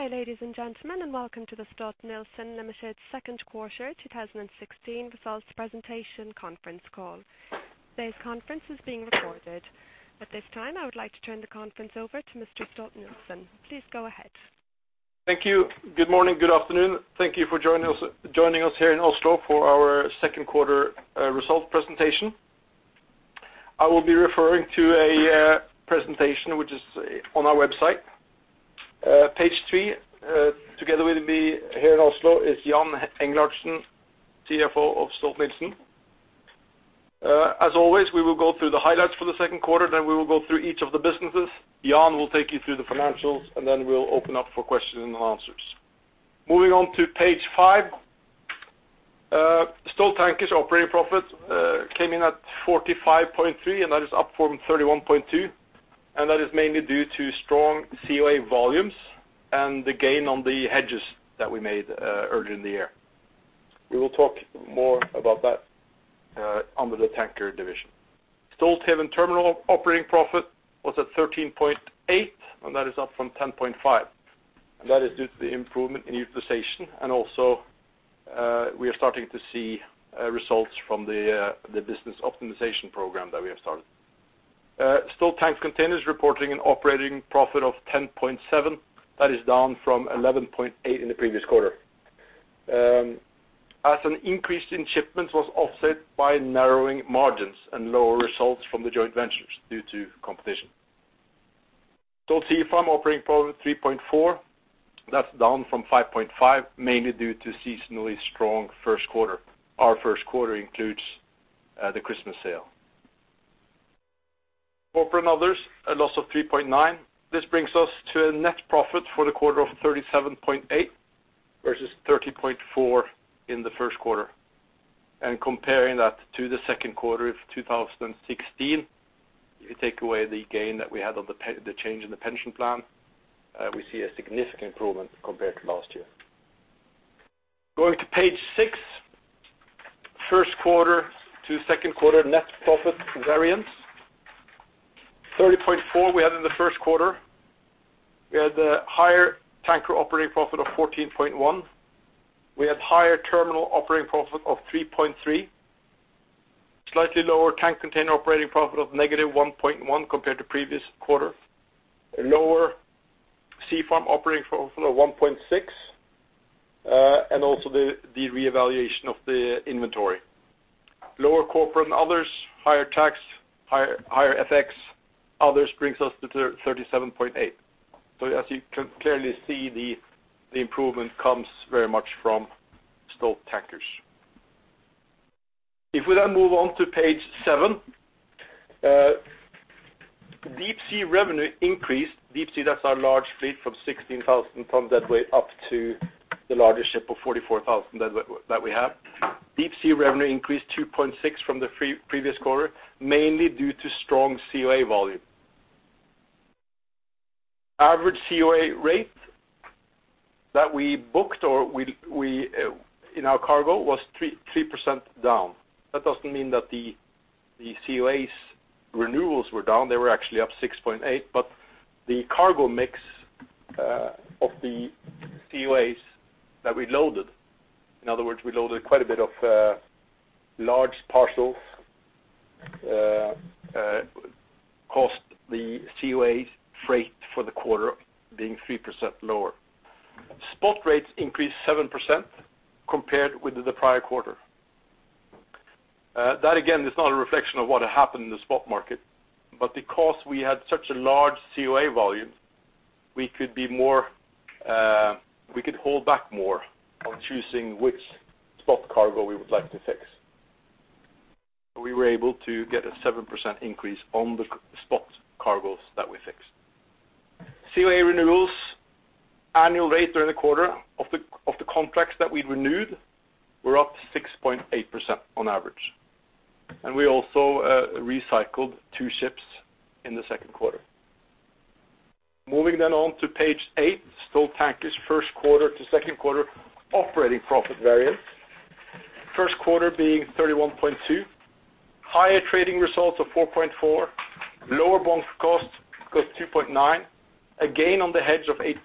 Good day, ladies and gentlemen, and welcome to the Stolt-Nielsen Limited second quarter 2016 results presentation conference call. Today's conference is being recorded. At this time, I would like to turn the conference over to Mr. Stolt-Nielsen. Please go ahead. Thank you. Good morning, good afternoon. Thank you for joining us here in Oslo for our second quarter results presentation. I will be referring to a presentation which is on our website. Page three. Together with me here in Oslo is Jan Engelhardtsen, CFO of Stolt-Nielsen. As always, we will go through the highlights for the second quarter, then we will go through each of the businesses. Jan will take you through the financials, then we will open up for questions and answers. Moving on to page five. Stolt Tankers operating profit came in at $45.3, and that is up from $31.2, and that is mainly due to strong COA volumes and the gain on the hedges that we made earlier in the year. We will talk more about that under the tanker division. Stolthaven Terminals operating profit was at $13.8, and that is up from $10.5. That is due to the improvement in utilization and also we are starting to see results from the business optimization program that we have started. Stolt Tank Containers reporting an operating profit of $10.7. That's down from $11.8 in the previous quarter, as an increase in shipments was offset by narrowing margins and lower results from the joint ventures due to competition. Stolt Sea Farm operating profit $3.4. That's down from $5.5, mainly due to seasonally strong first quarter. Our first quarter includes the Christmas sole. Corporate and others, a loss of $3.9. This brings us to a net profit for the quarter of $37.8 versus $30.4 in the first quarter. Comparing that to the second quarter of 2016, you take away the gain that we had on the change in the pension plan, we see a significant improvement compared to last year. Going to page six, first quarter to second quarter net profit variance. $30.4 we had in the first quarter. We had a higher tanker operating profit of $14.1. We had higher terminal operating profit of $3.3. Slightly lower tank container operating profit of negative $1.1 compared to previous quarter. Lower Sea Farm operating profit of $1.6, and also the reevaluation of the inventory. Lower corporate and others, higher tax, higher FX, others brings us to $37.8. As you can clearly see, the improvement comes very much from Stolt Tankers. We then move on to page seven. Deep-sea revenue increased. Deep sea, that's our large fleet from 16,000 tons that weigh up to the largest ship of 44,000 that we have. Deep-sea revenue increased 2.6% from the previous quarter, mainly due to strong COA volume. Average COA rate that we booked in our cargo was 3% down. That doesn't mean that the COAs renewals were down, they were actually up 6.8%, but the cargo mix of the COAs that we loaded, in other words, we loaded quite a bit of large parcels, cost the COA freight for the quarter being 3% lower. Spot rates increased 7% compared with the prior quarter. That again is not a reflection of what happened in the spot market, but because we had such a large COA volume, we could hold back more on choosing which spot cargo we would like to fix. We were able to get a 7% increase on the spot cargoes that we fixed. COA renewals annual rate during the quarter of the contracts that we renewed were up 6.8% on average. We also recycled two ships in the second quarter. Moving on to page eight, Stolt Tankers first quarter to second quarter operating profit variance. First quarter being $31.2 million. Higher trading results of $4.4 million. Lower bunker costs of $2.9 million. A gain on the hedge of $8.6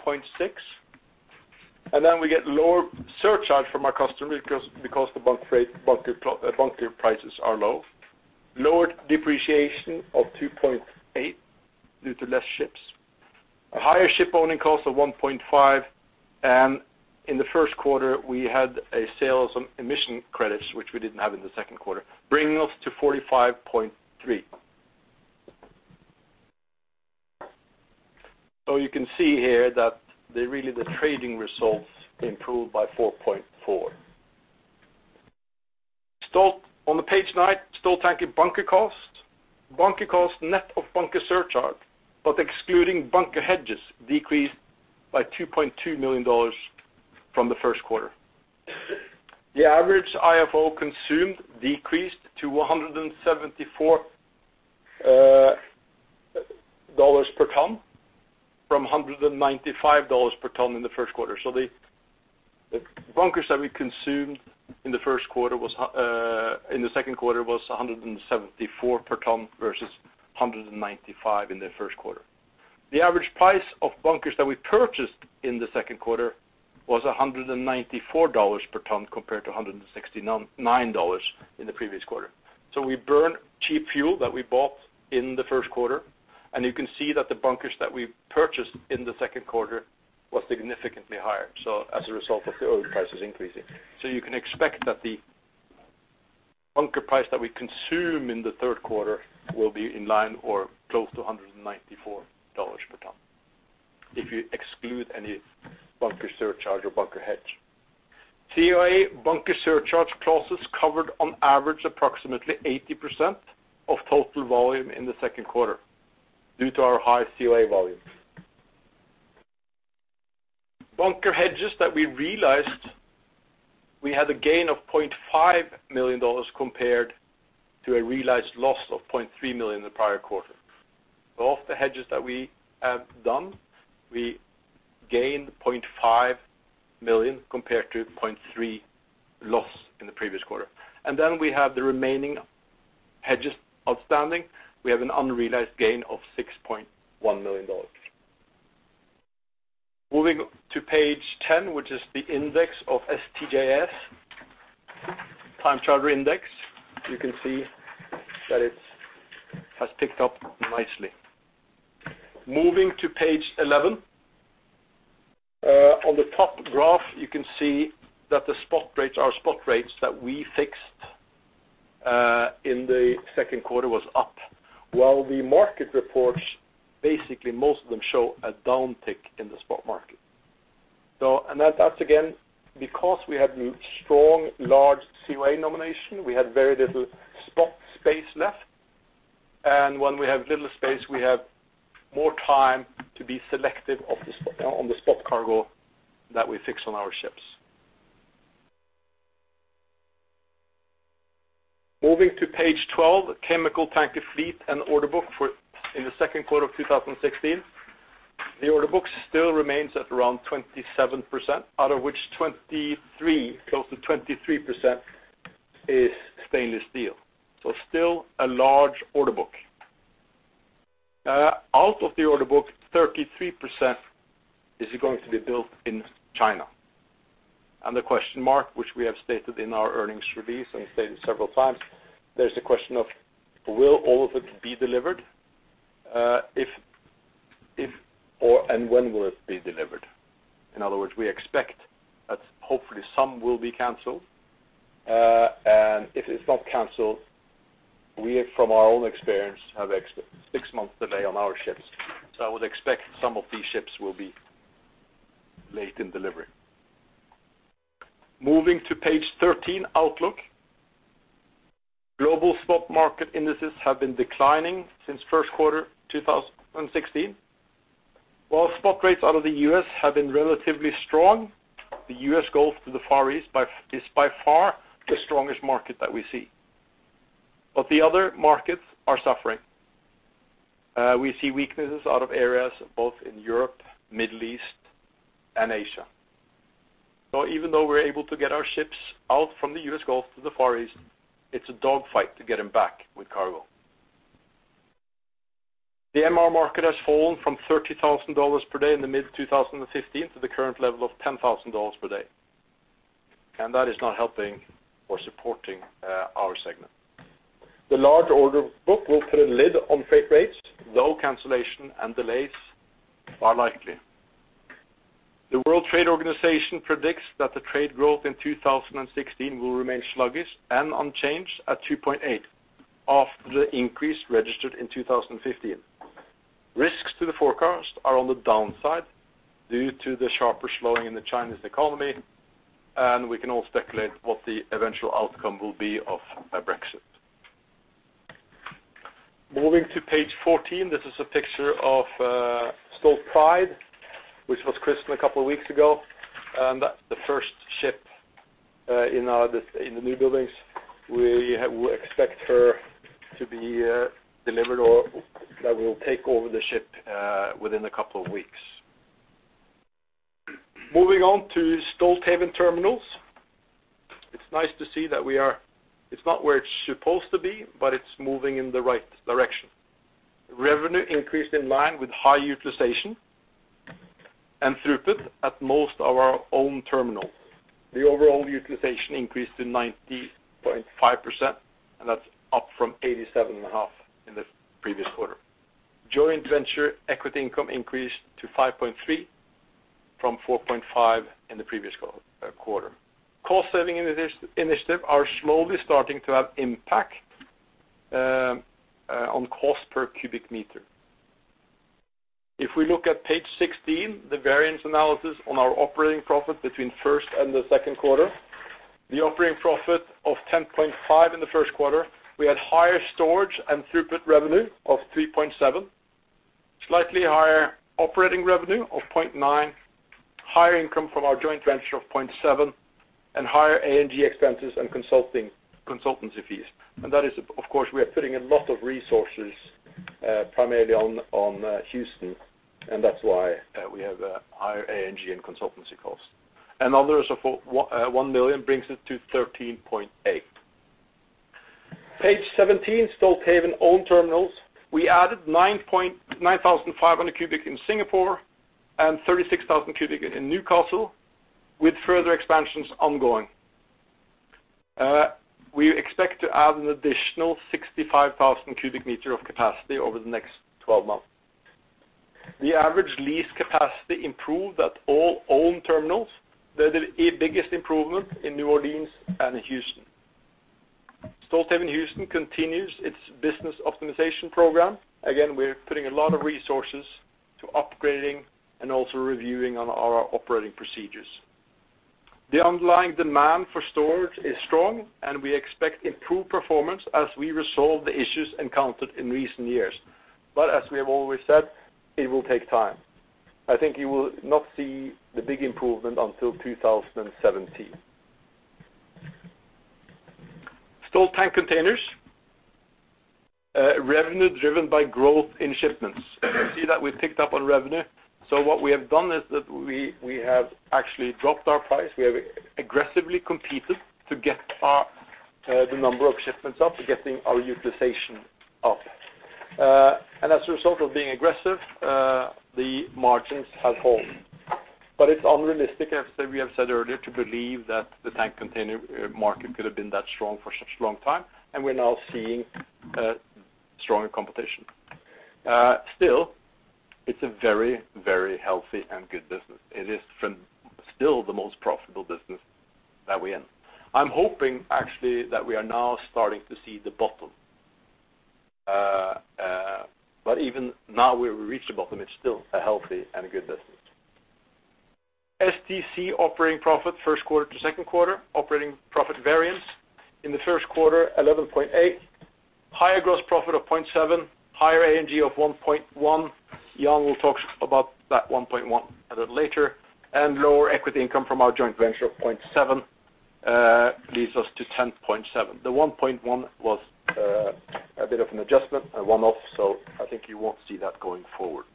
million. We get lower surcharge from our customers because the bunker prices are low. Lower depreciation of $2.8 million due to less ships. A higher ship-owning cost of $1.5 million. In the first quarter, we had a sale of some emission credits, which we didn't have in the second quarter, bringing us to $45.3 million. You can see here that really the trading results improved by $4.4 million. On to page nine, Stolt Tankers bunker cost. Bunker cost net of bunker surcharge, but excluding bunker hedges, decreased by $2.2 million from the first quarter. The average IFO consumed decreased to $174 per ton from $195 per ton in the first quarter. The bunkers that we consumed in the second quarter was $174 per ton, versus $195 in the first quarter. The average price of bunkers that we purchased in the second quarter was $194 per ton, compared to $169 in the previous quarter. We burned cheap fuel that we bought in the first quarter, you can see that the bunkers that we purchased in the second quarter was significantly higher, as a result of the oil prices increasing. You can expect that the bunker price that we consume in the third quarter will be in line or close to $194 per ton, if you exclude any bunker surcharge or bunker hedge. COA bunker surcharge clauses covered on average, approximately 80% of total volume in the second quarter due to our high COA volume. Bunker hedges that we realized, we had a gain of $0.5 million compared to a realized loss of $0.3 million in the prior quarter. Of the hedges that we have done, we gained $0.5 million compared to $0.3 million loss in the previous quarter. We have the remaining hedges outstanding. We have an unrealized gain of $6.1 million. Moving to page 10, which is the index of STJS, Time Charter Index. You can see that it has picked up nicely. Moving to page 11. On the top graph, you can see that our spot rates that we fixed in the second quarter was up. While the market reports, basically most of them show a downtick in the spot market. That's again, because we had strong large COA nomination. We had very little spot space left. When we have little space, we have more time to be selective on the spot cargo that we fix on our ships. Moving to page 12, chemical tanker fleet and order book in the second quarter of 2016. The order book still remains at around 27%, out of which close to 23% is stainless steel. Still a large order book. Out of the order book, 33% is going to be built in China. The question mark, which we have stated in our earnings release and stated several times, there's a question of will all of it be delivered? When will it be delivered? In other words, we expect that hopefully some will be canceled. If it's not canceled, we from our own experience, have six months delay on our ships. I would expect some of these ships will be late in delivery. Moving to page 13, outlook. Global spot market indices have been declining since first quarter 2016. While spot rates out of the U.S. have been relatively strong, the U.S. Gulf to the Far East is by far the strongest market that we see. The other markets are suffering. We see weaknesses out of areas both in Europe, Middle East, and Asia. Even though we're able to get our ships out from the U.S. Gulf to the Far East, it's a dog fight to get them back with cargo. The MR market has fallen from $30,000 per day in the mid-2015 to the current level of $10,000 per day. That is not helping or supporting our segment. The large order book will put a lid on freight rates, though cancellation and delays are likely. The World Trade Organization predicts that the trade growth in 2016 will remain sluggish and unchanged at 2.8 after the increase registered in 2015. Risks to the forecast are on the downside due to the sharper slowing in the Chinese economy. We can all speculate what the eventual outcome will be of a Brexit. Moving to page 14. This is a picture of Stolt Pride, which was christened a couple of weeks ago, that's the first ship in the new buildings. We will expect her to be delivered, or that we'll take over the ship within a couple of weeks. Moving on to Stolthaven Terminals. It's nice to see that it's not where it's supposed to be, it's moving in the right direction. Revenue increased in line with high utilization and throughput at most of our own terminals. The overall utilization increased to 90.5%, that's up from 87.5% in the previous quarter. Joint venture equity income increased to $5.3 million from $4.5 million in the previous quarter. Cost saving initiative are slowly starting to have impact on cost per cubic meter. If we look at page 16, the variance analysis on our operating profit between first and the second quarter. The operating profit of $10.5 million in the first quarter, we had higher storage and throughput revenue of $3.7 million, slightly higher operating revenue of $0.9 million, higher income from our joint venture of $0.7 million. Higher A&G expenses and consultancy fees. That is, of course, we are putting a lot of resources primarily on Houston, that's why we have higher A&G and consultancy costs. Others of $1 million brings it to $13.8 million. Page 17, Stolthaven owned terminals. We added 9,500 cubic in Singapore and 36,000 cubic in Newcastle, with further expansions ongoing. We expect to add an additional 65,000 cubic meters of capacity over the next 12 months. The average lease capacity improved at all owned terminals. The biggest improvement in New Orleans and Houston. Stolthaven Houston continues its business optimization program. Again, we're putting a lot of resources to upgrading and also reviewing on our operating procedures. The underlying demand for storage is strong, and we expect improved performance as we resolve the issues encountered in recent years. As we have always said, it will take time. I think you will not see the big improvement until 2017. Stolt Tank Containers. Revenue driven by growth in shipments. You can see that we've picked up on revenue. What we have done is that we have actually dropped our price. We have aggressively competed to get the number of shipments up, getting our utilization up. As a result of being aggressive, the margins have held. It's unrealistic, as we have said earlier, to believe that the tank container market could have been that strong for such a long time, and we're now seeing stronger competition. Still, it's a very healthy and good business. It is still the most profitable business that we're in. I'm hoping, actually, that we are now starting to see the bottom. Even now we've reached the bottom, it's still a healthy and a good business. STC operating profit first quarter to second quarter. Operating profit variance. In the first quarter, $11.8. Higher gross profit of $0.7. Higher A&G of $1.1. Jan will talk about that $1.1 a little later. Lower equity income from our joint venture of $0.7 leads us to $10.7. The $1.1 was a bit of an adjustment, a one-off, I think you won't see that going forward.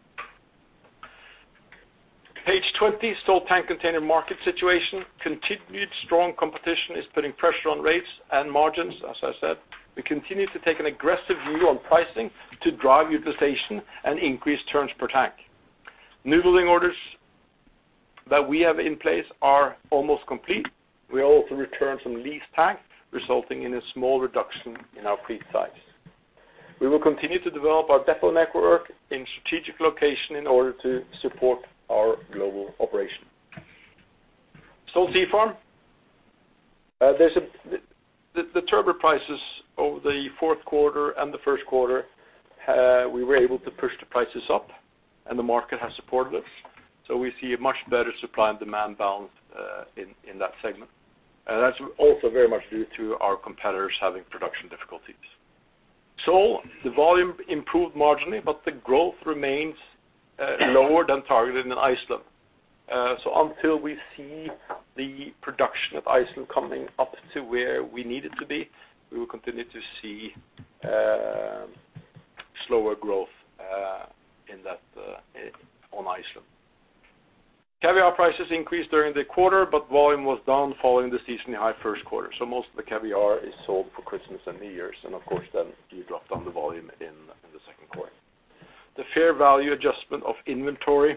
Page 20, Stolt Tank Container market situation. Continued strong competition is putting pressure on rates and margins, as I said. We continue to take an aggressive view on pricing to drive utilization and increase turns per tank. Newbuilding orders that we have in place are almost complete. We also returned some lease tanks, resulting in a small reduction in our fleet size. We will continue to develop our depot network in strategic locations in order to support our global operation. Stolt Sea Farm. The turbot prices over the fourth quarter and the first quarter, we were able to push the prices up, and the market has supported us. We see a much better supply and demand balance in that segment. That's also very much due to our competitors having production difficulties. sole. The volume improved marginally, the growth remains lower than targeted in Iceland. Until we see the production of Iceland coming up to where we need it to be, we will continue to see slower growth on Iceland. Caviar prices increased during the quarter, volume was down following the seasonally high first quarter. Most of the caviar is sold for Christmas and New Year's, and of course, then you drop down the volume in the second quarter. The fair value adjustment of inventory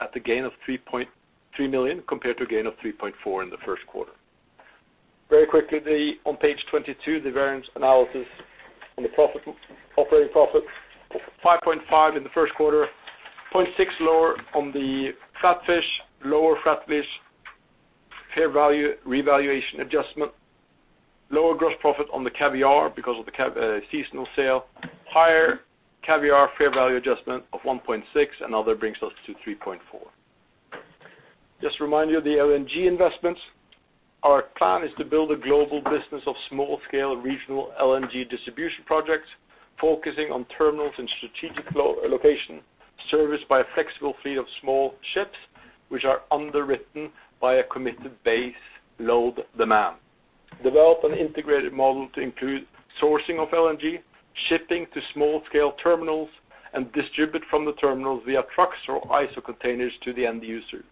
at the gain of $3.3 million compared to a gain of $3.4 million in the first quarter. Very quickly, on page 22, the variance analysis on the operating profit. $5.5 in the first quarter, $0.6 lower on the flat fish. Lower flat fish fair value revaluation adjustment. Lower gross profit on the caviar because of the seasonal sale. Higher caviar fair value adjustment of $1.6 and other brings us to $3.4. Just remind you of the LNG investments. Our plan is to build a global business of small scale regional LNG distribution projects focusing on terminals in strategic location serviced by a flexible fleet of small ships which are underwritten by a committed base load demand. Develop an integrated model to include sourcing of LNG, shipping to small scale terminals, and distribute from the terminals via trucks or ISO containers to the end user.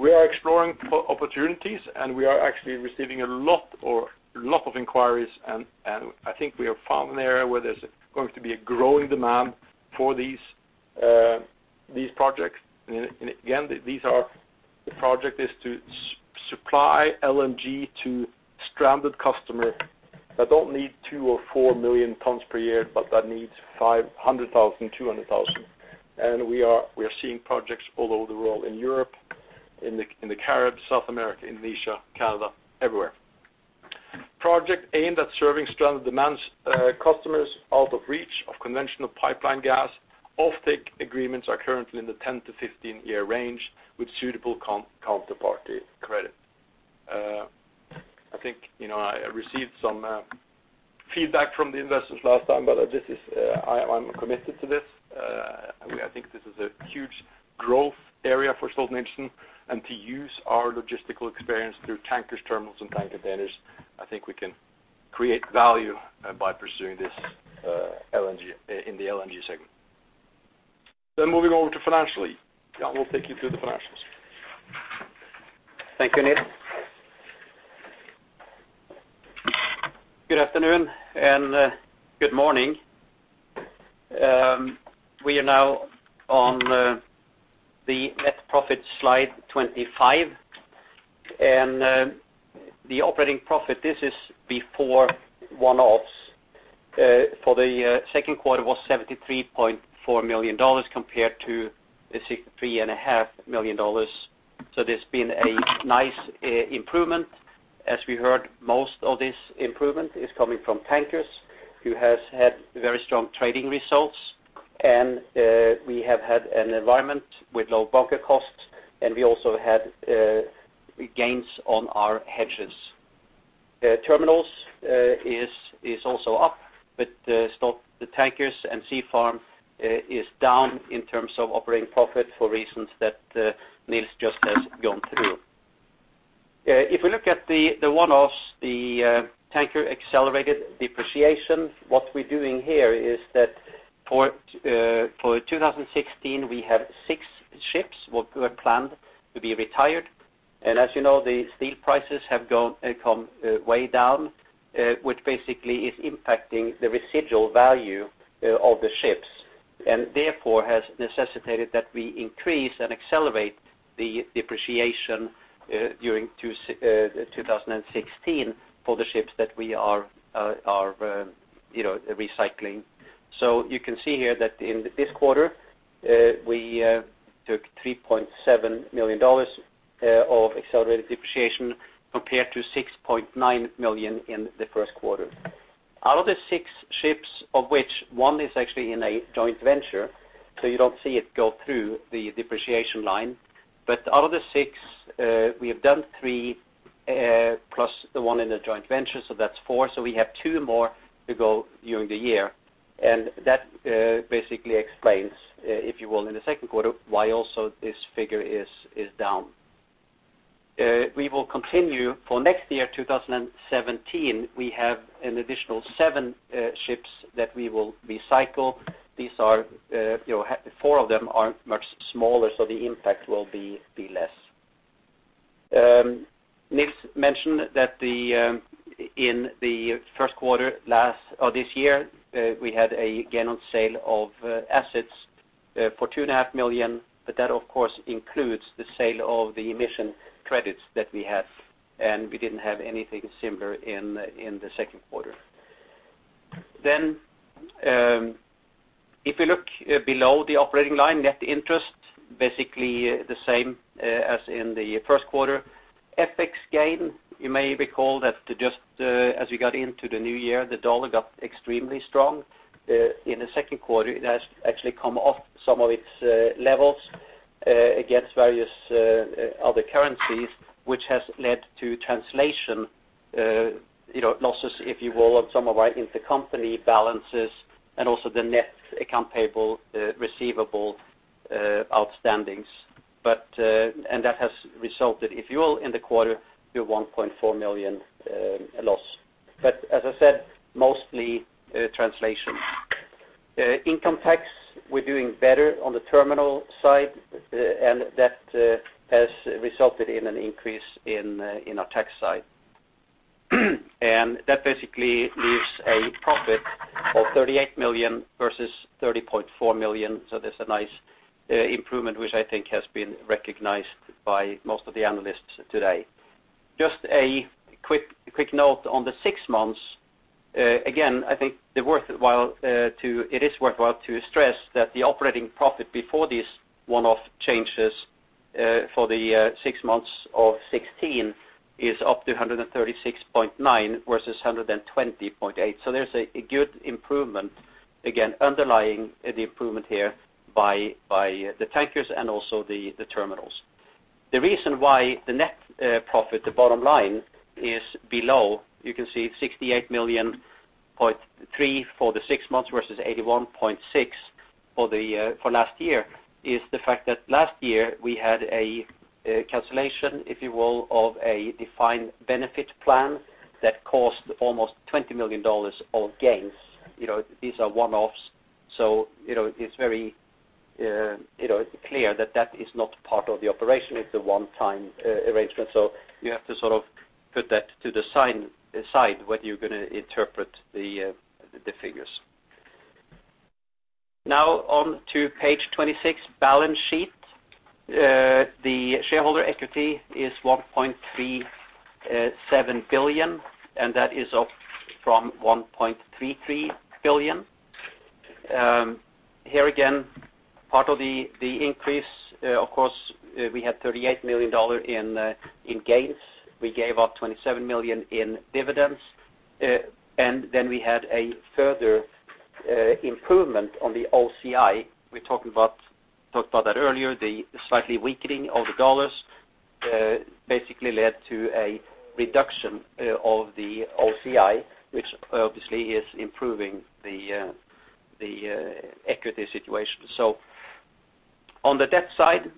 We are exploring opportunities, we are actually receiving a lot of inquiries, and I think we have found an area where there's going to be a growing demand for these projects. Again, the project is to supply LNG to stranded customer that don't need two or four million tons per year, but that needs 500,000, 200,000. We are seeing projects all over the world in Europe, in the Caribbean, South America, Indonesia, Canada, everywhere. Project aimed at serving stranded demands customers out of reach of conventional pipeline gas. Offtake agreements are currently in the 10-15 year range with suitable counterparty credit. I think I received some feedback from the investors last time, but I'm committed to this. I think this is a huge growth area for Stolt-Nielsen and to use our logistical experience through tankers, terminals, and Tank Containers, I think we can create value by pursuing this in the LNG segment. Moving over to financially. Jan will take you through the financials. Thank you, Niels. Good afternoon and good morning. We are now on the net profit slide 25. The operating profit, this is before one-offs, for the second quarter was $73.4 million compared to $3.5 million. There's been a nice improvement. As we heard, most of this improvement is coming from tankers who have had very strong trading results, and we have had an environment with low bunker costs, and we also had gains on our hedges. Terminals is also up, but the tankers and Stolt Sea Farm is down in terms of operating profit for reasons that Nils just has gone through. If we look at the one-offs, the tanker accelerated depreciation, what we're doing here is that for 2016, we have six ships who are planned to be retired. As you know, the steel prices have come way down, which basically is impacting the residual value of the ships, and therefore has necessitated that we increase and accelerate the depreciation during 2016 for the ships that we are recycling. You can see here that in this quarter, we took $3.7 million of accelerated depreciation compared to $6.9 million in the first quarter. Out of the six ships, of which one is actually in a joint venture, so you don't see it go through the depreciation line. Out of the six, we have done three, plus the one in the joint venture, so that's four. We have two more to go during the year, and that basically explains, if you will, in the second quarter, why also this figure is down. We will continue for next year, 2017, we have an additional seven ships that we will recycle. Four of them are much smaller, so the impact will be less. Niels mentioned that in the first quarter of this year, we had a gain on sale of assets for $2.5 million, but that of course includes the sale of the emission credits that we had, and we didn't have anything similar in the second quarter. If you look below the operating line, net interest, basically the same as in the first quarter. FX gain, you may recall that just as we got into the new year, the dollar got extremely strong. In the second quarter, it has actually come off some of its levels against various other currencies, which has led to translation losses, if you will, on some of our intercompany balances and also the net account payable, receivable outstandings. That has resulted, if you will, in the quarter, to a $1.4 million loss. As I said, mostly translation. Income tax, we're doing better on the terminal side, and that has resulted in an increase in our tax side. That basically leaves a profit of $38 million versus $30.4 million. There's a nice improvement, which I think has been recognized by most of the analysts today. Just a quick note on the six months. Again, I think it is worthwhile to stress that the operating profit before these one-off changes for the six months of 2016 is up to $136.9 million versus $120.8 million. There's a good improvement, again, underlying the improvement here by the tankers and also the terminals. The reason why the net profit, the bottom line, is below, you can see $68.3 million for the six months versus $81.6 million for last year, is the fact that last year we had a cancellation, if you will, of a defined benefit plan that cost almost $20 million of gains. These are one-offs, so it's very clear that is not part of the operation. It's a one-time arrangement, so you have to sort of put that to the side when you're going to interpret the figures. Now on to page 26, balance sheet. The shareholder equity is $1.37 billion, and that is up from $1.33 billion. Here again, part of the increase, of course, we had $38 million in gains. We gave out $27 million in dividends. We had a further improvement on the OCI. We talked about that earlier. The slightly weakening of the dollars basically led to a reduction of the OCI, which obviously is improving the equity situation. On the debt side,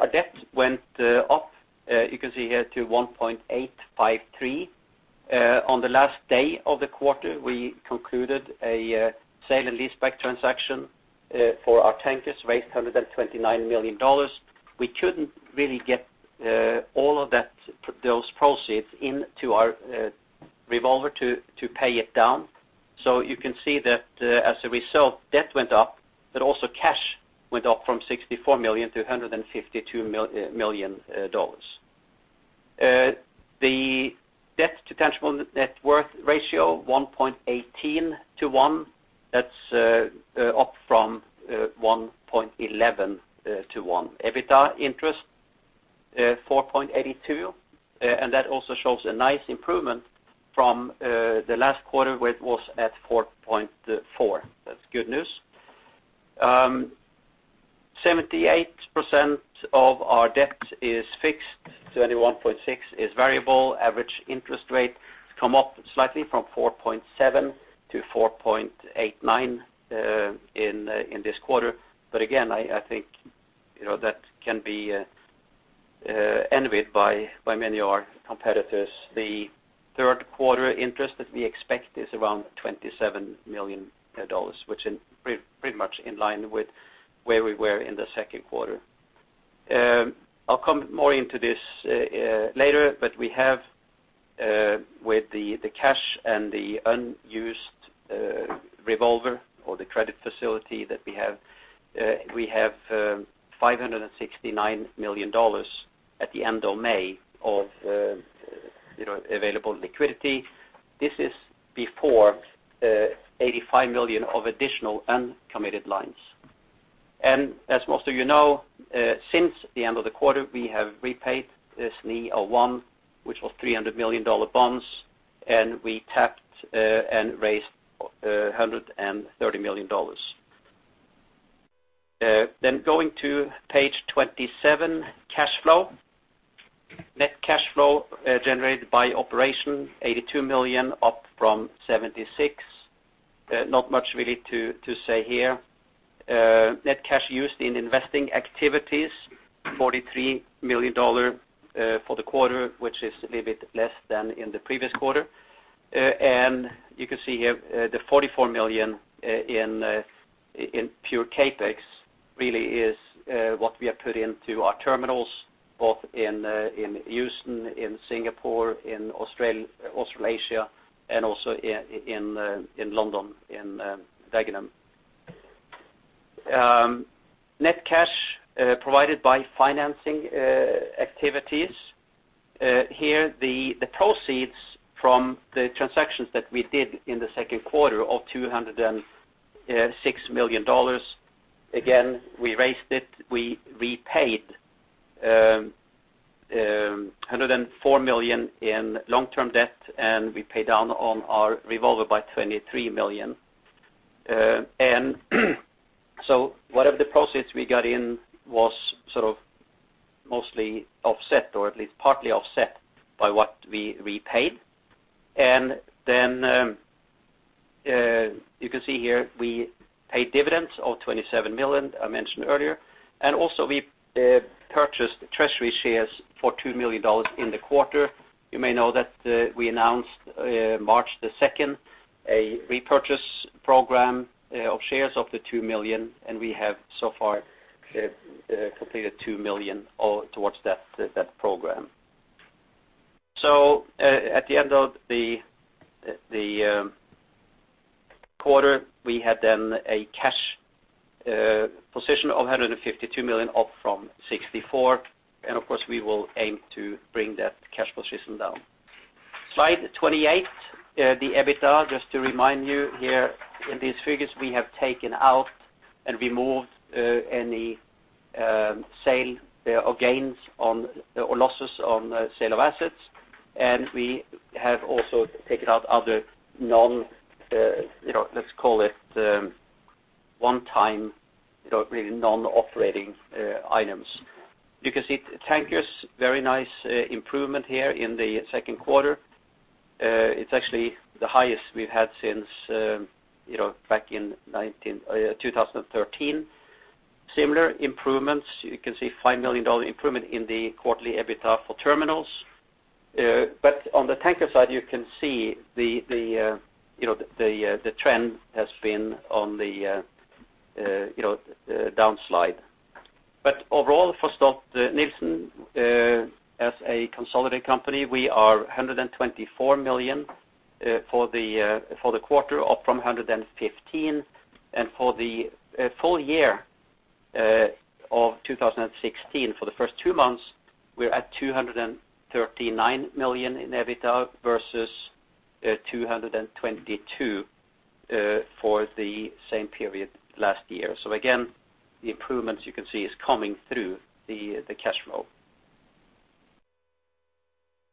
our debt went up. You can see here to $1.853 billion. On the last day of the quarter, we concluded a sale and leaseback transaction for our tankers worth $129 million. We couldn't really get all of those proceeds into our revolver to pay it down. You can see that as a result, debt went up, but also cash went up from $64 million to $152 million. The debt-to-tangible net worth ratio, 1.18 to 1. That's up from 1.11 to 1. EBITDA interest, 4.82. That also shows a nice improvement from the last quarter where it was at 4.4. That's good news. 78% of our debt is fixed, 21.6% is variable. Average interest rate come up slightly from 4.7% to 4.89% in this quarter. Again, I think that can be envied by many of our competitors. The third quarter interest that we expect is around $27 million, which is pretty much in line with where we were in the second quarter. I'll come more into this later, but we have with the cash and the unused revolver or the credit facility that we have, we have $569 million at the end of May of available liquidity. This is before $85 million of additional uncommitted lines. As most of you know, since the end of the quarter, we have repaid the SNI 01, which was $300 million bonds, and we tapped and raised $130 million. Going to page 27, cash flow. Net cash flow generated by operation, $82 million up from $76 million. Not much really to say here. Net cash used in investing activities, $43 million for the quarter, which is a little bit less than in the previous quarter. You can see here the $44 million in pure CapEx really is what we have put into our terminals, both in Houston, in Singapore, in Australasia, and also in London, in Dagenham. Net cash provided by financing activities. Here the proceeds from the transactions that we did in the second quarter of $206 million. Again, we raised it, we paid $104 million in long-term debt, and we paid down on our revolver by $23 million. Whatever the proceeds we got in was mostly offset or at least partly offset by what we repaid. You can see here we paid dividends of $27 million, I mentioned earlier. Also we purchased treasury shares for $2 million in the quarter. You may know that we announced March the 2nd, a repurchase program of shares of $2 million, and we have so far completed $2 million towards that program. At the end of the quarter, we had then a cash position of $152 million up from $64 million. Of course we will aim to bring that cash position down. Slide 28, the EBITDA, just to remind you here in these figures we have taken out and removed any sale or gains or losses on sale of assets. We have also taken out other non, let's call it, one-time, really non-operating items. You can see tankers, very nice improvement here in the second quarter. It's actually the highest we've had since back in 2013. Similar improvements, you can see $5 million improvement in the quarterly EBITDA for terminals. On the tanker side, you can see the trend has been on the down slide. Overall for Stolt-Nielsen, as a consolidated company, we are $124 million for the quarter up from $115 million. For the full year of 2016, for the first two months, we're at $239 million in EBITDA versus $222 million for the same period last year. Again, the improvements you can see is coming through the cash flow.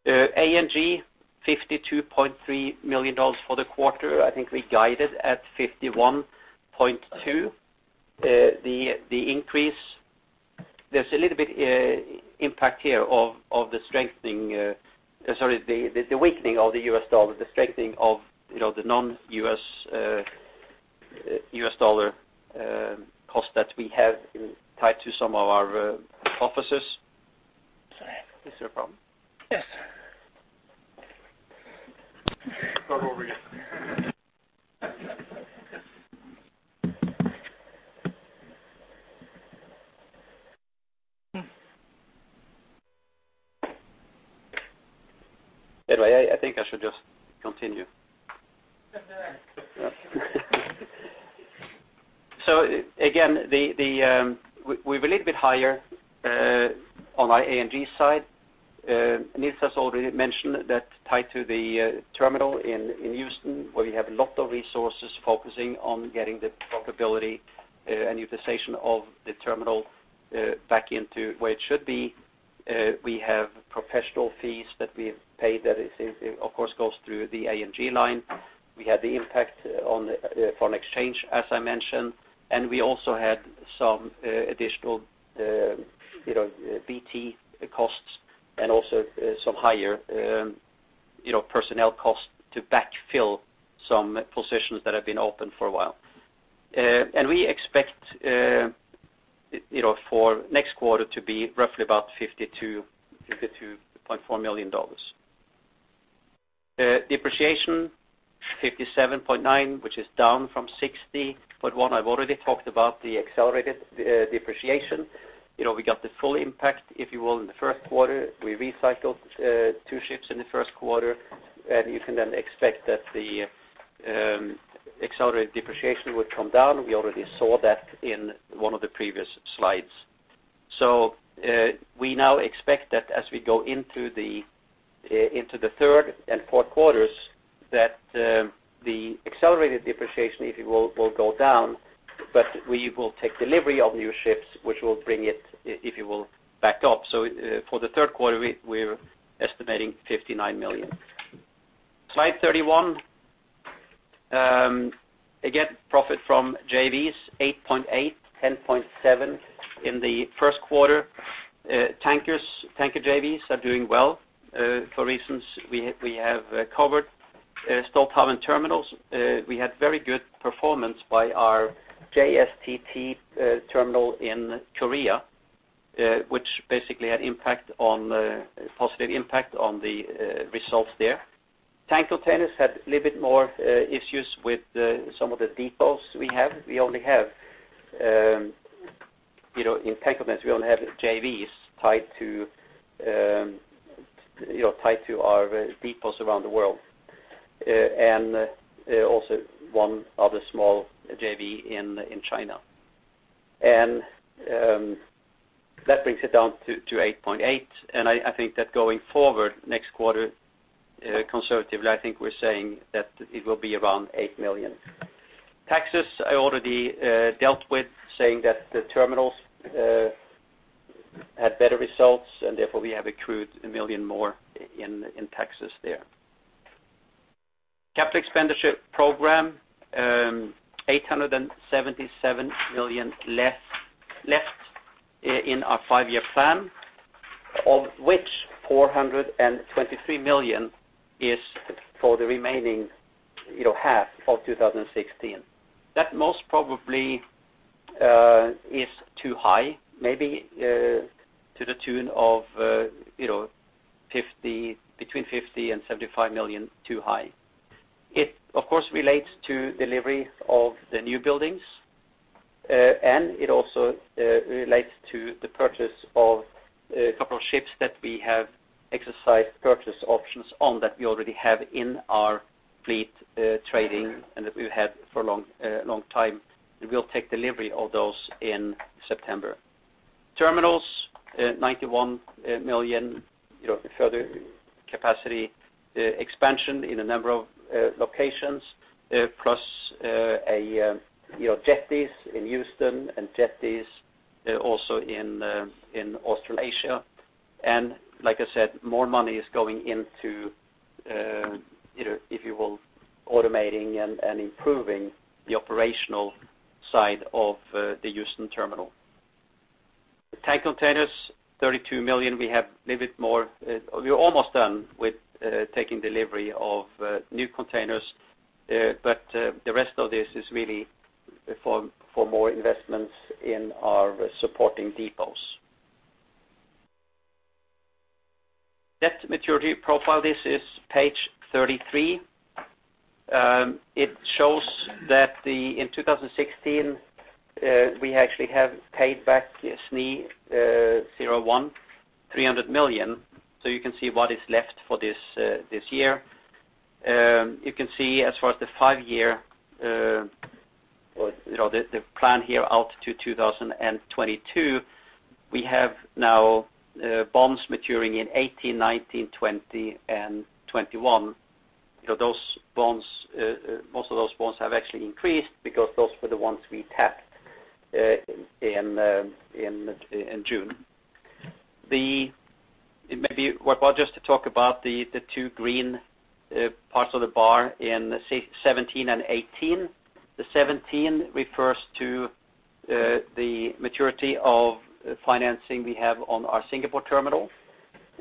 A&G, $52.3 million for the quarter. I think we guided at $51.2 million. The increase, there's a little bit impact here of the weakening of the U.S. dollar, the strengthening of the non-U.S. dollar cost that we have tied to some of our offices. Sorry, is there a problem? Yes. Start over again. I think I should just continue. Again, we're a little bit higher on our A&G side. Niels has already mentioned that tied to the terminal in Houston, where we have a lot of resources focusing on getting the profitability and utilization of the terminal back into where it should be. We have professional fees that we have paid that, of course, goes through the A&G line. We had the impact on foreign exchange, as I mentioned, and we also had some additional BT costs and also some higher personnel costs to backfill some positions that have been open for a while. We expect for next quarter to be roughly about $52 million to $52.4 million. Depreciation, $57.9, which is down from $60. One, I've already talked about the accelerated depreciation. We got the full impact, if you will, in the first quarter. We recycled two ships in the first quarter. You can then expect that the accelerated depreciation would come down. We already saw that in one of the previous slides. We now expect that as we go into the third and fourth quarters, that the accelerated depreciation, if you will go down, but we will take delivery of new ships which will bring it, if you will, back up. For the third quarter, we're estimating $59 million. Slide 31. Again, profit from JVs, $8.8, $10.7 in the first quarter. Tanker JVs are doing well for reasons we have covered. Stolthaven Terminals. We had very good performance by our JSTT terminal in Korea, which basically had a positive impact on the results there. Tank Containers had a little bit more issues with some of the depots we have. In Tank Containers, we only have JVs tied to our depots around the world. Also 1 other small JV in China. That brings it down to $8.8 million. I think that going forward next quarter, conservatively, I think we're saying that it will be around $8 million. Taxes, I already dealt with, saying that the terminals had better results, and therefore we have accrued $1 million more in taxes there. Capital expenditure program, $877 million left in our five-year plan, of which $423 million is for the remaining half of 2016. That most probably is too high, maybe to the tune of between $50 million-$75 million too high. It, of course, relates to delivery of the new buildings. It also relates to the purchase of 2 ships that we have exercised purchase options on that we already have in our fleet trading and that we've had for a long time. We'll take delivery of those in September. Terminals, $91 million, further capacity expansion in a number of locations, plus jetties in Houston and jetties also in Australasia. Like I said, more money is going into, if you will, automating and improving the operational side of the Houston terminal. Tank Containers, $32 million. We're almost done with taking delivery of new containers, but the rest of this is really for more investments in our supporting depots. Debt maturity profile. This is page 33. It shows that in 2016, we actually have paid back the SNI 01, $300 million, so you can see what is left for this year. You can see as far as the five-year, the plan here out to 2022, we have now bonds maturing in 2018, 2019, 2020, and 2021. Most of those bonds have actually increased because those were the ones we tapped In June. It may be worthwhile just to talk about the 2 green parts of the bar in 2017 and 2018. The 2017 refers to the maturity of financing we have on our Singapore terminal.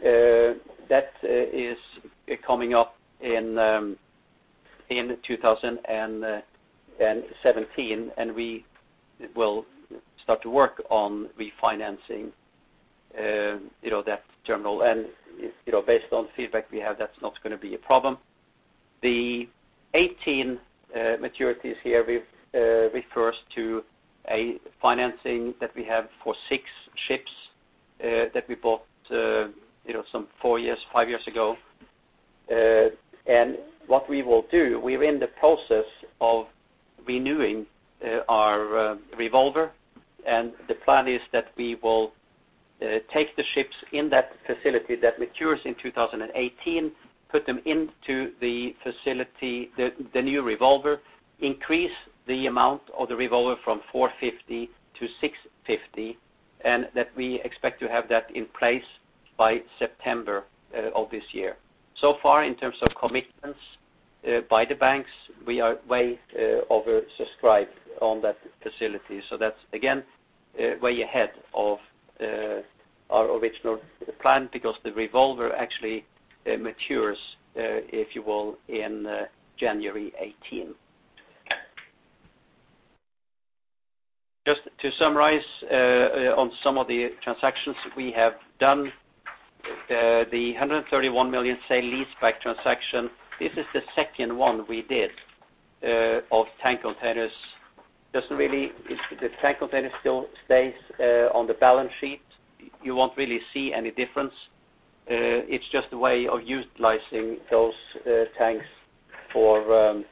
That is coming up in 2017, and we will start to work on refinancing that terminal. Based on feedback we have, that's not going to be a problem. The 2018 maturities here refers to a financing that we have for 6 ships that we bought some 4 years, 5 years ago. What we will do, we're in the process of renewing our revolver. The plan is that we will take the ships in that facility that matures in 2018, put them into the new revolver, increase the amount of the revolver from $450 million to $650 million, and that we expect to have that in place by September of this year. Far, in terms of commitments by the banks, we are way oversubscribed on that facility. That's again, way ahead of our original plan because the revolver actually matures, if you will, in January 2018. Just to summarize on some of the transactions we have done. The $131 million sale-leaseback transaction, this is the 2nd one we did of tank containers. The tank container still stays on the balance sheet. You won't really see any difference. It's just a way of utilizing those tanks to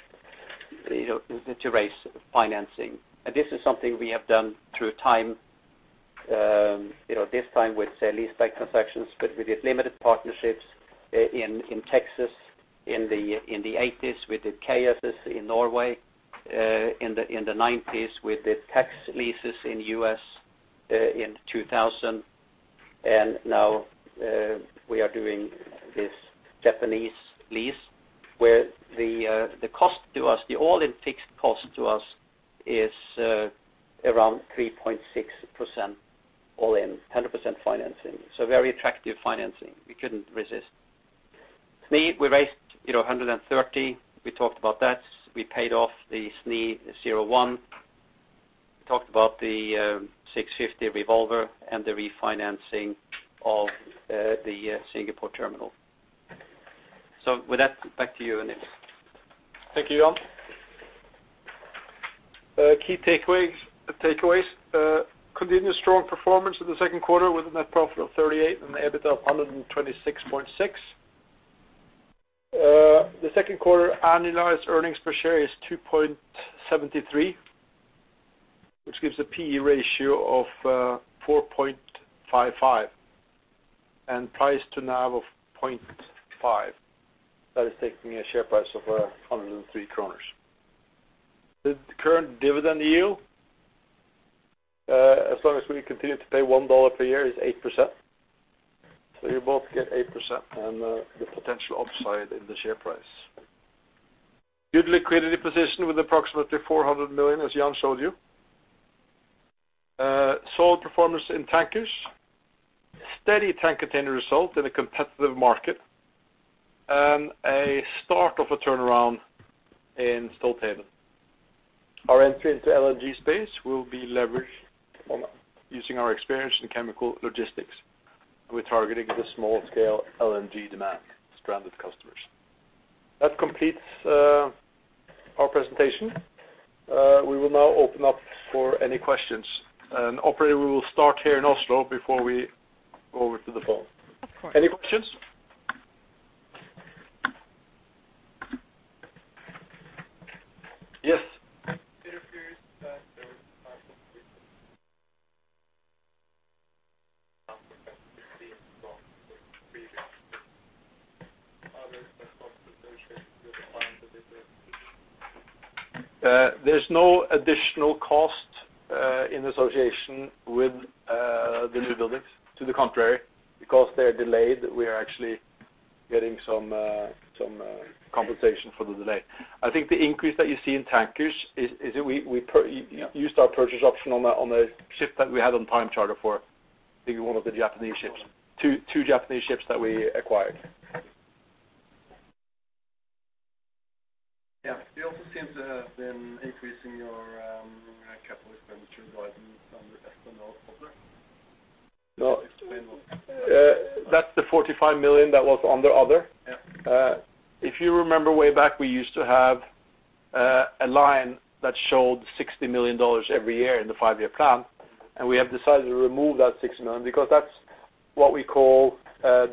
raise financing. This is something we have done through time. This time with sale-leaseback transactions, we did limited partnerships in Texas in the '80s. We did KS's in Norway in the '90s. We did tax leases in the U.S. in 2000. Now we are doing this Japanese lease where the all-in fixed cost to us is around 3.6% all in, 100% financing. Very attractive financing. We couldn't resist. SNI, we raised $130. We talked about that. We paid off the SNI 01. We talked about the 650 revolver and the refinancing of the Singapore terminal. With that, back to you, Niels. Thank you, Jan. Key takeaways. Continued strong performance in the second quarter with a net profit of $38 and an EBITDA of $126.6. The second quarter annualized earnings per share is $2.73, which gives a P/E ratio of 4.55 and price to NAV of 0.5. That is taking a share price of 103 kroner. The current dividend yield as long as we continue to pay $1 per year is 8%. You both get 8% and the potential upside in the share price. Good liquidity position with approximately $400 million, as Jan showed you. Solid performance in Stolt Tankers. Steady Stolt Tank Containers result in a competitive market, and a start of a turnaround in Stolt-Nielsen. Our entry into LNG space will be leveraged on using our experience in chemical logistics. We are targeting the small scale LNG demand stranded customers. That completes our presentation. We will now open up for any questions. Operator, we will start here in Oslo before we go over to the phone. Any questions? Yes. Peter Fjerstad, DNB. Are there some costs associated with the? There's no additional cost in association with the new buildings. To the contrary, because they're delayed, we are actually getting some compensation for the delay. I think the increase that you see in Stolt Tankers is that we used our purchase option on a ship that we had on time charter for one of the Japanese ships, two Japanese ships that we acquired. Yeah. You also seem to have been increasing your capital expenditure guidance under other. Can you explain what? That's the $45 million that was under other. Yeah. If you remember way back, we used to have a line that showed $60 million every year in the five-year plan, we have decided to remove that $60 million because that's what we call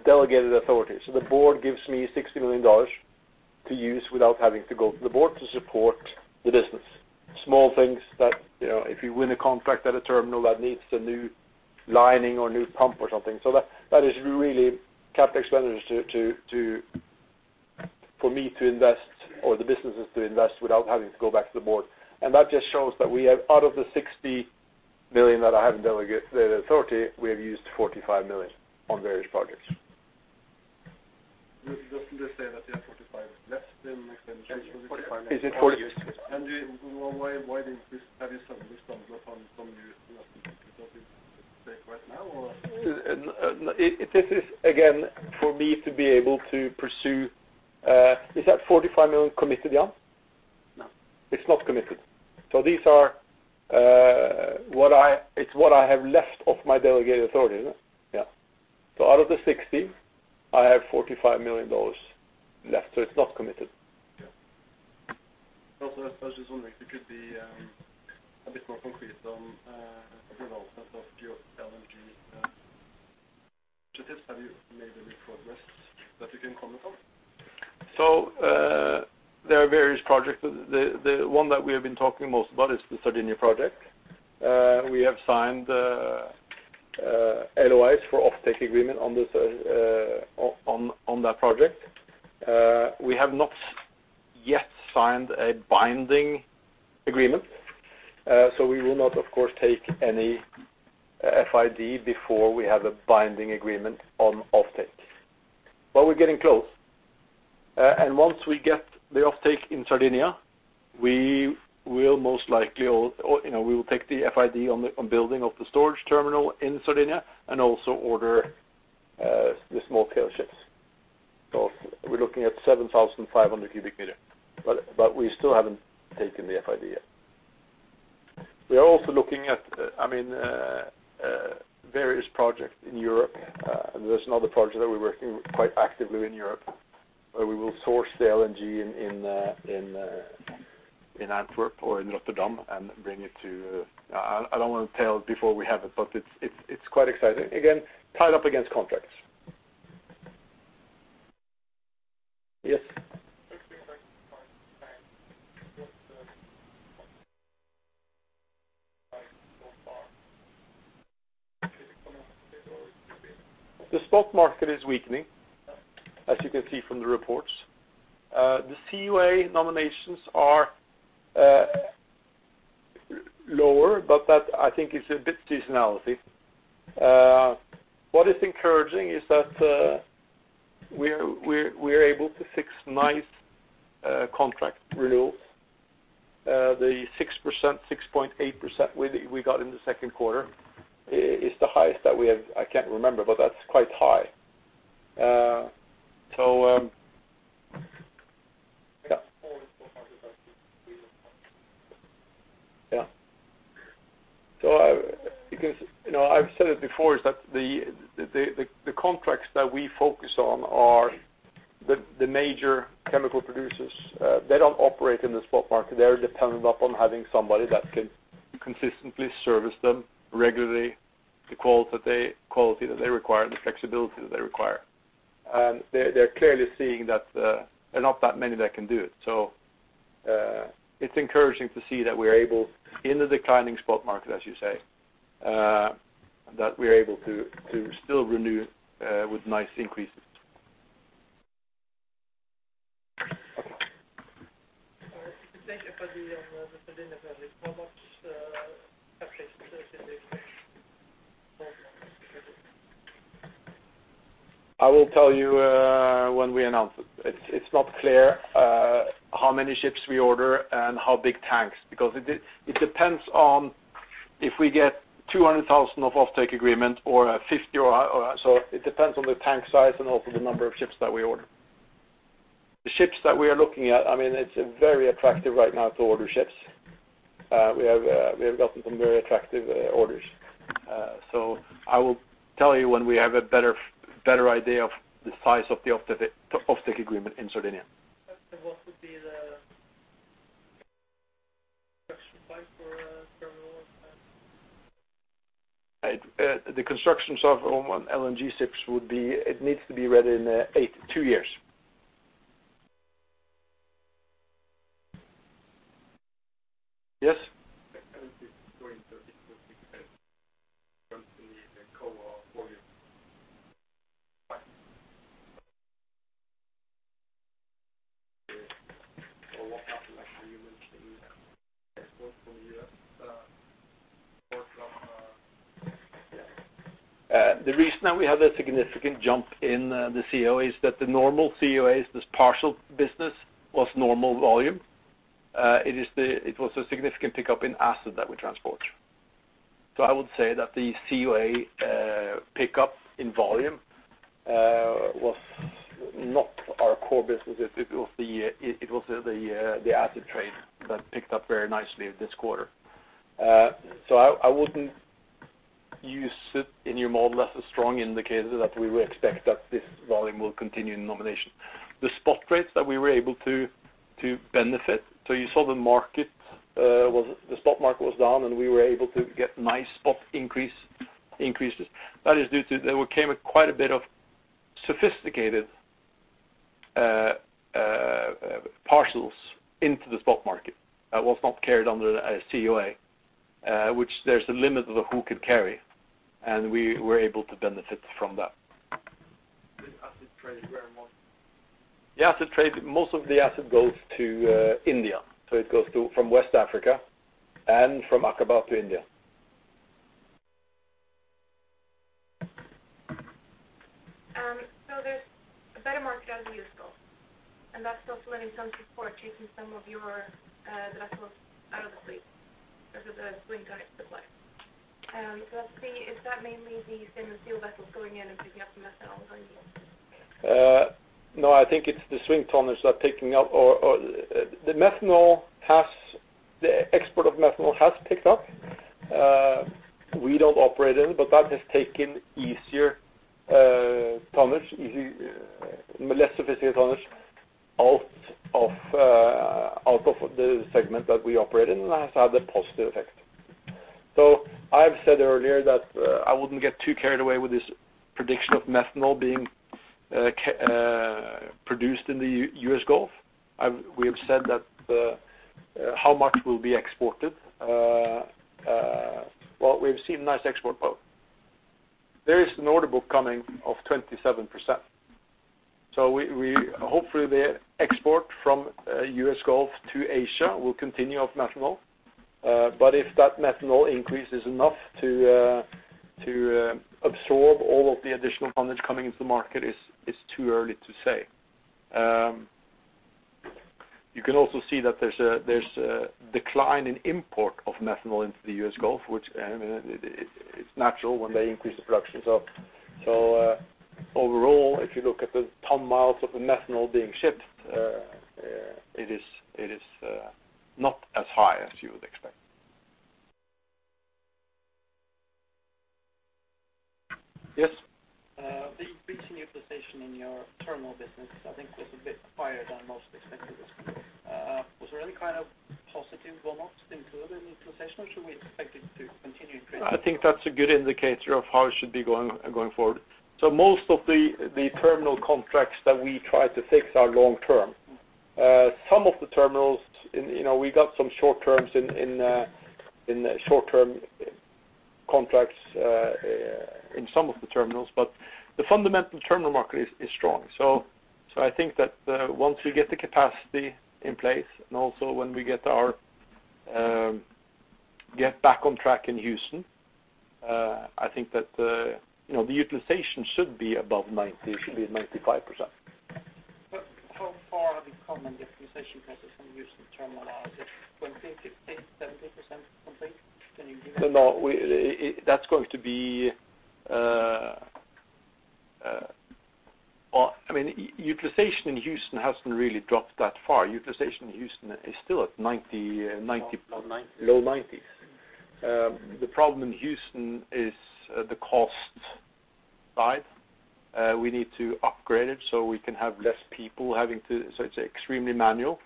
delegated authority. The board gives me $60 million to use without having to go to the board to support the business. Small things that, if you win a contract at a terminal that needs a new lining or a new pump or something. That is really capital expenditures to For me to invest or the businesses to invest without having to go back to the board. That just shows that we have out of the $60 million that I have in delegated authority, we have used $45 million on various projects. Doesn't this say that you have 45 left in extension? Is it 40? Why have you suddenly stumbled upon some new initiatives? Have you made any progress that you can comment on? There are various projects. The one that we have been talking most about is the Sardinia project. We have signed LOIs for offtake agreement on that project. We have not yet signed a binding agreement. We will not, of course, take any FID before we have a binding agreement on offtake. We're getting close. Once we get the offtake in Sardinia, we will take the FID on building of the storage terminal in Sardinia and also order the small-scale ships. We're looking at 7,500 cubic meter. We still haven't taken the FID yet. We are also looking at various projects in Europe, there's another project that we're working quite actively in Europe, where we will source the LNG in Antwerp or in Rotterdam and bring it to-- I don't want to tell before we have it, but it's quite exciting. Again, tied up against contracts. Yes. Just things I can find. What's the buy so far? Is it coming or is it? The spot market is weakening, as you can see from the reports. The COA nominations are lower, that I think is a bit seasonality. What is encouraging is that we're able to fix nice contract renewals. The 6.8% we got in the second quarter is the highest that we have, I can't remember, that's quite high. Four Yeah. I've said it before, is that the contracts that we focus on are the major chemical producers. They don't operate in the spot market. They are dependent upon having somebody that can consistently service them regularly, the quality that they require, and the flexibility that they require. They're clearly seeing that there are not that many that can do it. It's encouraging to see that we're able, in the declining spot market, as you say, that we're able to still renew with nice increases. If you think of the Sardinia project, how much of this is in this project? I will tell you when we announce it. It's not clear how many ships we order and how big tanks, because it depends on if we get 200,000 of offtake agreement or 50. It depends on the tank size and also the number of ships that we order. The ships that we are looking at, it's very attractive right now to order ships. We have gotten some very attractive orders. I will tell you when we have a better idea of the size of the offtake agreement in Sardinia. What would be the construction time for terminal? The constructions of LNG ships, it needs to be ready in two years. Yes. Going into 2016 and continue the core volume. What happens after you reach the export from the U.S. port? The reason that we have a significant jump in the COA is that the normal COAs, this partial business, was normal volume. It was a significant pickup in acid that we transport. I would say that the COA pickup in volume was not our core business. It was the acid trade that picked up very nicely this quarter. I wouldn't use it in your model as a strong indicator that we would expect that this volume will continue in nomination. The spot rates that we were able to benefit. You saw the spot market was down, and we were able to get nice spot increases. That is due to there came quite a bit of sophisticated parcels into the spot market that was not carried under a COA which there's a limit of who can carry, and we were able to benefit from that. The acid trade where in the world? The acid trade, most of the acid goes to India. It goes from West Africa and from Aqaba to India. There's a better market out in the U.S. Gulf, and that's also lending some support, taking some of your vessels out of the fleet. Those are the swing tonnage supply. Is that mainly the thinner steel vessels going in and picking up the methanol volume? I think it's the swing tonnage that are picking up or the export of methanol has picked up. We don't operate in it, but that has taken easier tonnage, less sophisticated tonnage out of the segment that we operate in, and has had a positive effect. I've said earlier that I wouldn't get too carried away with this prediction of methanol being produced in the U.S. Gulf. We have said that how much will be exported. We've seen nice export both. There is an order book coming of 27%. Hopefully the export from U.S. Gulf to Asia will continue of methanol. If that methanol increase is enough to absorb all of the additional tonnage coming into the market, it's too early to say. You can also see that there's a decline in import of methanol into the U.S. Gulf, which it's natural when they increase the production. Overall, if you look at the ton miles of the methanol being shipped, it is not as high as you would expect. Yes. The increase in utilization in your terminal business, I think was a bit higher than most expected it. Was there any kind of positive bonuses included in the utilization, or should we expect it to continue increasing? I think that's a good indicator of how it should be going forward. Most of the terminal contracts that we try to fix are long-term. We got some short terms in short-term contracts in some of the terminals, the fundamental terminal market is strong. I think that once we get the capacity in place and also when we get back on track in Houston, I think that the utilization should be above 90, it should be at 95%. How far have you come in the optimization process in Houston terminal? Is it 20, 50, 70% complete? Can you give us? No. Utilization in Houston hasn't really dropped that far. Utilization in Houston is still at low 90s. The problem in Houston is the cost side. We need to upgrade it so we can have less people. It's extremely manual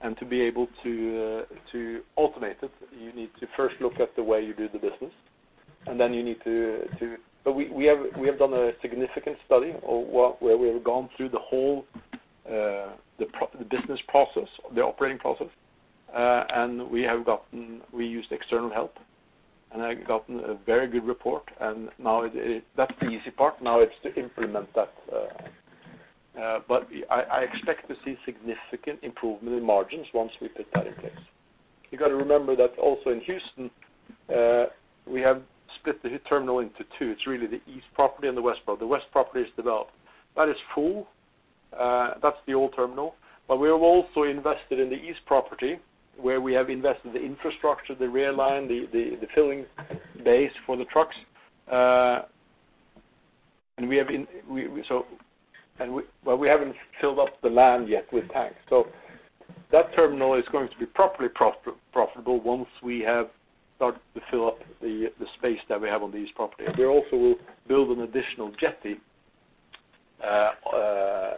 and to be able to automate it, you need to first look at the way you do the business. We have done a significant study where we have gone through the whole business process, the operating process. We used external help and have gotten a very good report, that's the easy part, now it's to implement that. I expect to see significant improvement in margins once we put that in place. You got to remember that also in Houston, we have split the terminal into two. It's really the east property and the west property. The west property is developed. That is full. That's the old terminal. We have also invested in the east property where we have invested the infrastructure, the rail line, the filling bays for the trucks. Well, we haven't filled up the land yet with tanks. That terminal is going to be properly profitable once we have started to fill up the space that we have on the east property. We also will build an additional jetty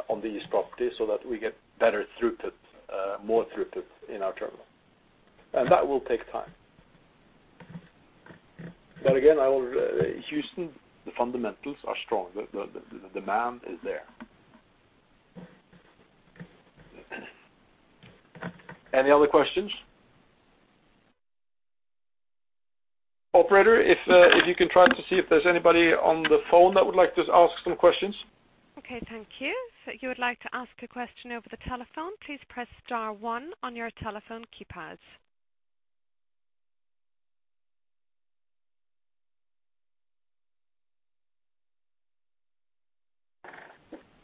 on the east property so that we get better throughput, more throughput in our terminal. That will take time. Again, Houston, the fundamentals are strong. The demand is there. Any other questions? Operator, if you can try to see if there's anybody on the phone that would like to ask some questions. Okay, thank you. If you would like to ask a question over the telephone, please press star one on your telephone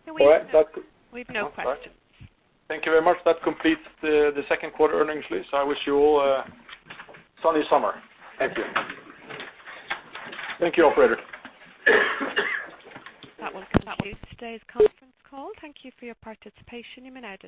keypads. No, we have no questions. Thank you very much. That completes the second quarter earnings release. I wish you all a sunny summer. Thank you. Thank you, operator. That will conclude today's conference call. Thank you for your participation. You may now disconnect.